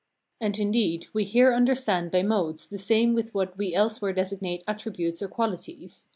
And, indeed, we here understand by modes the same with what we elsewhere designate attributes or qualities.